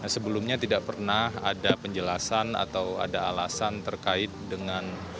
sebelumnya tidak pernah ada penjelasan atau ada alasan terkait dengan